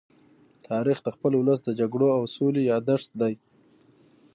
تاریخ د خپل ولس د جګړو او سولې يادښت دی.